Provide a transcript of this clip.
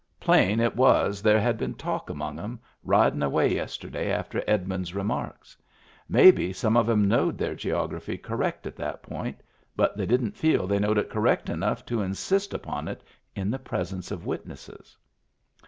Plain it was there had been talk among 'em, ridin' away yesterday after Edmund's re marks. Maybe some of 'em knowed their geog raphy correct on that point, but they didn't feel they knowed it correct enough to insist upon it in the presence of witnesses.